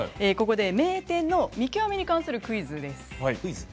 ここで名店の見極めに関するクイズです。